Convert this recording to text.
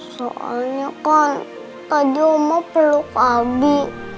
soalnya kan tadi omo peluk abi